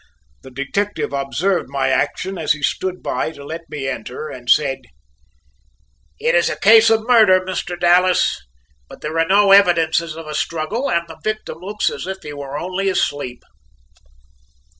The detective observed my action as he stood by to let me enter and said: "It is a case of murder, Mr. Dallas, but there are no evidences of a struggle, and the victim looks as if he were only asleep."